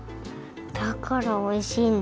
だからおいしいんだ。